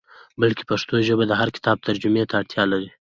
بلکې پښتو ژبه د هر کتاب ترجمې ته اړتیا لري.